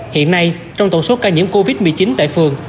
hiện nay trong tổng số ca nhiễm covid một mươi chín tại phường